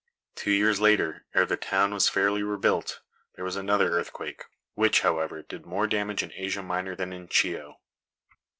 Two years later, ere the town was fairly rebuilt, there was another earthquake, which, however, did more damage in Asia Minor than in Chio.